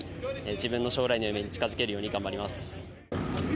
自分の将来の夢に近づけるように頑張ります。